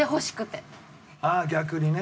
ああ逆にね。